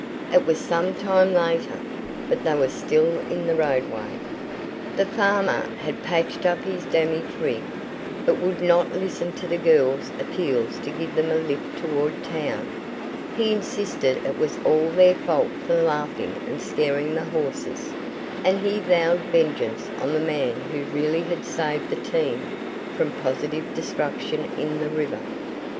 It was some time later, but they were still in the roadway. The farmer had patched up his damaged rig, but would not listen to the girls' appeals to give them a lift toward town. He insisted it was all their fault for laughing and scaring the horses, and he vowed vengeance on the man who really had saved the team from positive destruction in the river.